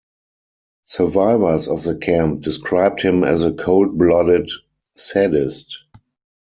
Survivors of the camp described him as a cold-blooded sadist.